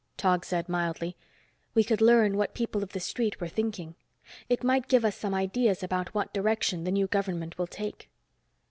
Tog said mildly, "We could learn what people of the street were thinking. It might give us some ideas about what direction the new government will take."